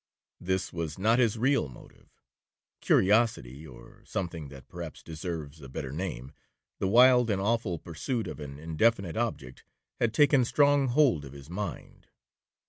This was not his real motive. Curiosity, or something that perhaps deserves a better name, the wild and awful pursuit of an indefinite object, had taken strong hold of his mind.